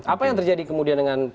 apa yang terjadi kemudian dengan